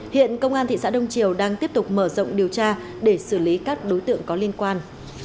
hiện công an thị xã đông triều đang tiếp tục mở rộng điều tra để xử lý các đối tượng có liên quan